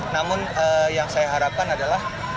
namun yang saya harapkan adalah